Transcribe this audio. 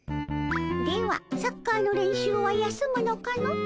ではサッカーの練習は休むのかの？